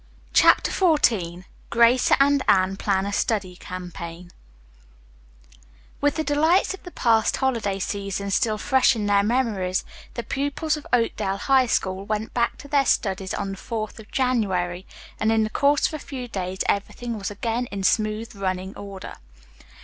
CHAPTER XIV GRACE AND ANNE PLAN A STUDY CAMPAIGN With the delights of the past holiday season still fresh in their memories, the pupils of Oakdale High School went back to their studies on the fourth of January, and in the course of a few days everything was again in smooth running order.